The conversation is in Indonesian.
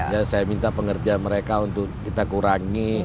ya saya minta pengertian mereka untuk kita kurangi